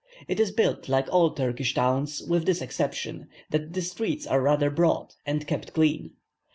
It is built like all Turkish towns, with this exception that the streets are rather broad, and kept clean.